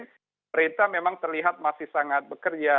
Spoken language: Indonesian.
pemerintah memang terlihat masih sangat bekerja